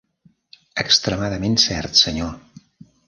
Extremadament cert, senyor.